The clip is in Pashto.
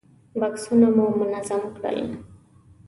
بکسونه مو منظم کړل.